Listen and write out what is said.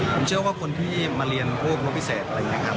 ผมเชื่อว่าคนที่มาเรียนพบพิเศษอะไรแบบนี้